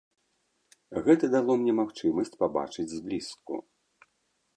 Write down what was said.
Гэта дало мне магчымасць пабачыць зблізку.